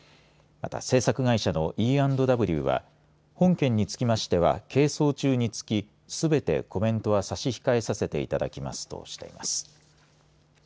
また制作会社のＥ＆Ｗは本件につきましては係争中につきすべてコメントは差し控えさせていただきますとしています。